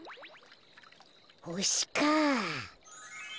ほしかあ。